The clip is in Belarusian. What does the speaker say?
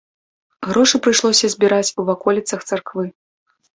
Грошы прыйшлося збіраць у ваколіцах царквы.